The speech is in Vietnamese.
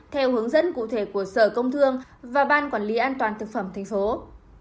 theo hướng dẫn cụ thể của sở công thương và ban quản lý an toàn thực phẩm tp hcm